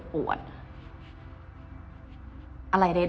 อะไรใดแต่ดิวถ่ายทอดไปในแบบนั้น